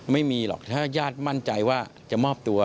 ไม่มีหรอกถ้าญาติมั่นใจว่าจะมอบตัว